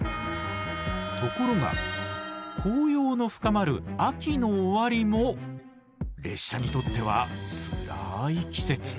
ところが紅葉の深まる秋の終わりも列車にとってはつらい季節。